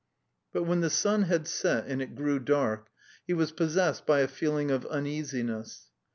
But when the sun had set and it grew dark, he was possessed by a feeling of uneasiness.